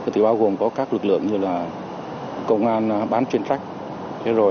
thì bao gồm có các lực lượng như là công an bán chuyên trách